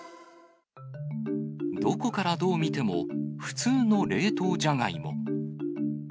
どこからどう見ても、普通の冷凍ジャガイモ。